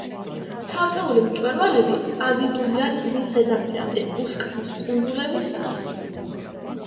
ცალკეული მწვერვალები აზიდულია ტბის ზედაპირამდე უშკანის კუნძულების სახით.